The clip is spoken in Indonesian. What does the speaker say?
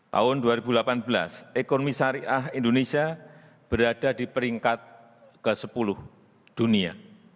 tahun dua ribu delapan belas ekonomi syariah indonesia berada di peringkat ke sepuluh dunia